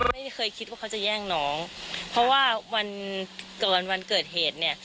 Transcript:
ไม่เคยคิดว่าเขาจะแย่งน้องเพราะว่าวันเกิดเหตุเนี่ย